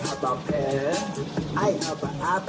แล้วออก